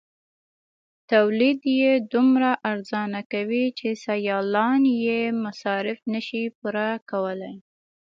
تولید یې دومره ارزانه کوي چې سیالان یې مصارف نشي پوره کولای.